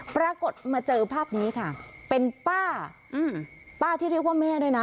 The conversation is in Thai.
ปรากฏมาเจอภาพนี้ค่ะเป็นป้าป้าที่เรียกว่าแม่ด้วยนะ